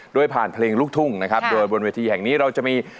ผ่านเพลงลูกทุ่งนะครับโดยบนเวทีแห่งนี้เราจะมี